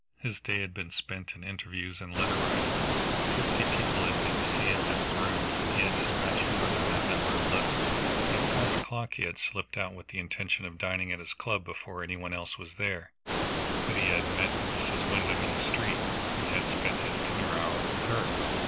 His day had been spent in interviews and letter writing; fifty people had been to see him at his rooms, and he had dispatched more than that number of letters. At five o'clock he had slipped out with the intention of dining at his club before any one else was there, but he had met Mrs. Wyndham in the street, and had spent his dinner hour with her.